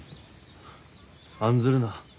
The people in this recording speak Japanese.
案ずるな。